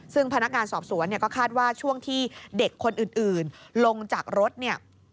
ซึ่งพนักงานสอบสวนเนี่ยก็คาดว่าช่วงที่เด็กคนอื่นลงจากรถเนี่ย